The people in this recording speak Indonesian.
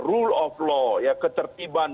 rule of law ya ketertiban